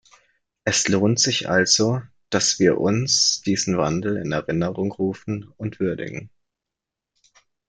Es lohnt sich also, dass wir uns diesen Wandel in Erinnerung rufen und würdigen.